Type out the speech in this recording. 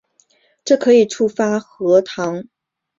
这可以触发核糖体移码。